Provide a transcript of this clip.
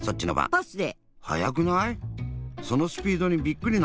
パスで。